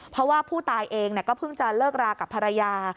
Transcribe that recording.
เพราะว่าผู้ตายเองก็เพิ่งจะเลิกรากับภรรยา